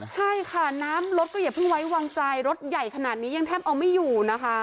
ใช่ค่ะน้ำรถก็อย่าเพิ่งไว้วางใจรถใหญ่ขนาดนี้ยังแทบเอาไม่อยู่นะคะ